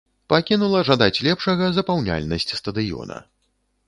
Пакінула жадаць лепшага запаўняльнасць стадыёна.